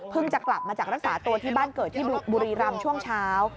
จะกลับมาจากรักษาตัวที่บ้านเกิดที่บุรีรำช่วงเช้า